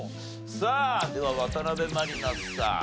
さあでは渡辺満里奈さん。